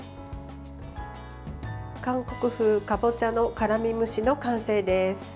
韓国風かぼちゃの辛み蒸しの完成です。